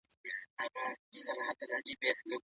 آیا ته پوهېږې چې آس څنګه راووت؟